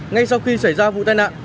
ngay sau khi xảy ra vụ tai nạn